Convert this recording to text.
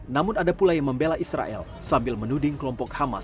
namun ada pula yang membela israel sambil menuding kelompok hamas